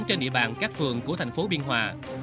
trên địa bàn các phường của thành phố biên hòa